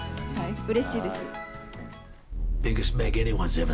うれしいです。